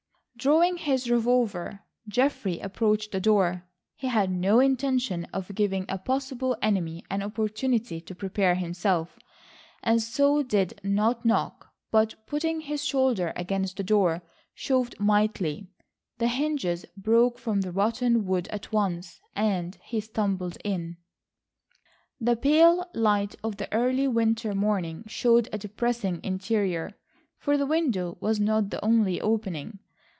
Drawing his revolver, Geoffrey approached the door. He had no intention of giving a possible enemy an opportunity to prepare himself, and so did not knock, but, putting his shoulder against the door, shoved mightily. The hinges broke from the rotten wood at once, and he stumbled in. The pale light of the early winter morning showed a depressing interior, for the window was not the only opening.